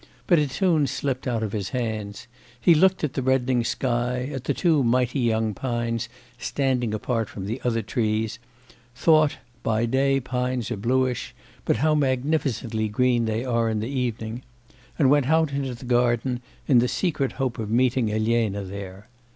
But it soon slipped out of his hands. He looked at the reddening sky, at the two mighty young pines standing apart from the other trees, thought 'by day pines are bluish, but how magnificently green they are in the evening,' and went out into the garden, in the secret hope of meeting Elena there.